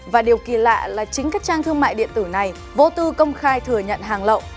và điều kỳ lạ là chính các trang thương mại điện tử này vô tư công khai thừa nhận hàng lậu